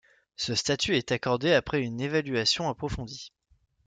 Ce statut est accordé après une évaluation approfondie.